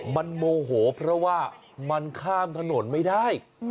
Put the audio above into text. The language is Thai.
มันโมโหเพราะว่ามันข้ามถนนไม่ได้